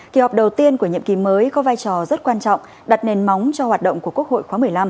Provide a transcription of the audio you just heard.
kỳ họp đầu tiên của nhiệm kỳ mới có vai trò rất quan trọng đặt nền móng cho hoạt động của quốc hội khóa một mươi năm